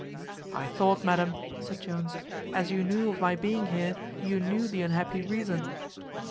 "I thought, madam," said Jones, "as you knew of my being here, you knew the unhappy reason."